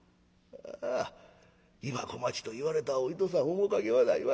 ああ今小町といわれたお糸さん面影はないわい。